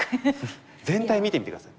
全体見てみて下さい。